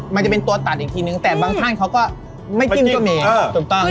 มันจะเป็นตัวตัดอีกทีนึงแต่บางท่านเขาก็ไม่จิ้มก็มีถูกต้อง